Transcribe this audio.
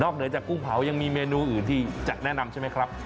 เหนือจากกุ้งเผายังมีเมนูอื่นที่จะแนะนำใช่ไหมครับ